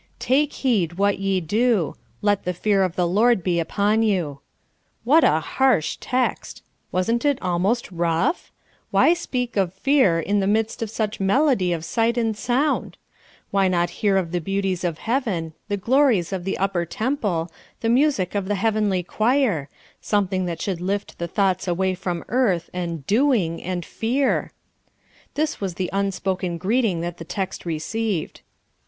"Take heed what ye do; let the fear of the Lord be upon you." What a harsh text! Wasn't it almost rough? Why speak of fear in the midst of such melody of sight and sound? Why not hear of the beauties of heaven, the glories of the upper temple, the music of the heavenly choir something that should lift the thoughts away from earth and doing and fear? This was the unspoken greeting that the text received.